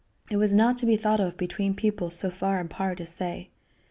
It was not to be thought of between people so far apart as they.